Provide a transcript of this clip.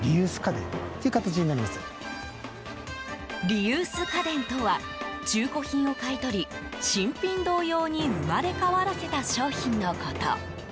リユース家電とは中古品を買い取り新品同様に生まれ変わらせた商品のこと。